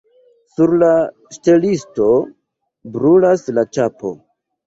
Sur la ŝtelisto brulas la ĉapo.